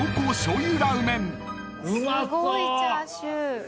すごいチャーシュー。